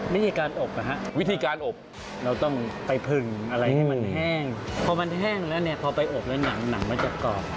ไม่ใช่การอบนะฮะเราต้องไปพึงอะไรให้มันแห้งพอมันแห้งแล้วพอไปอบแล้วหนังหนังมันจะกรอบ